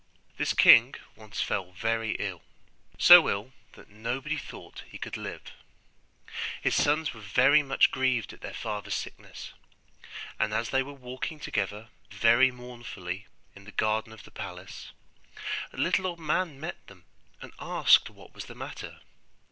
This king once fell very ill so ill that nobody thought he could live. His sons were very much grieved at their father's sickness; and as they were walking together very mournfully in the garden of the palace, a little old man met them and asked what was the matter.